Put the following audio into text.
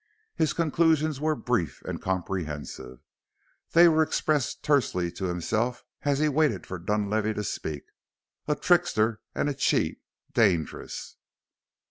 His conclusions were brief and comprehensive. They were expressed tersely to himself as he waited for Dunlavey to speak: "A trickster and a cheat dangerous."